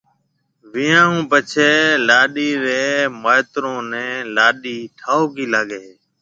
ويهان هون پڇيَ لاڏيَ ري مائيترو نَي لاڏيِ ٺائوڪِي لاگي هيَ۔